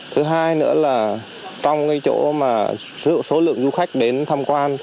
thứ hai nữa là trong cái chỗ mà số lượng du khách đến tham quan